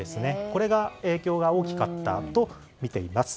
これが、影響が大きかったとみています。